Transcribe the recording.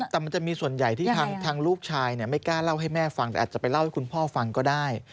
แต่มันจะมีส่วนใหญ่ที่ทางลูกชายไม่กล้าเล่าให้แม่ฟังแต่อาจจะไปเล่าให้คุณพ่อฟังก็ได้